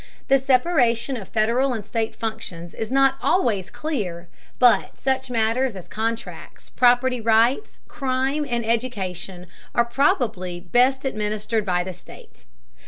The separation of Federal and state functions is not always clear, but such matters as contracts, property rights, crime, and education are probably best administered by the state.